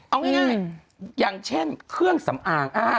เอาง่ายอย่างเช่นเครื่องสำอาง